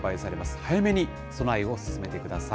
早めに備えを進めてください。